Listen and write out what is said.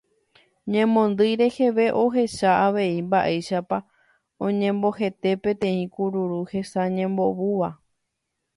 Ñemondýi reheve ohecha avei mba'éichapa oñembohete peteĩ kururu hesa ñemombúva.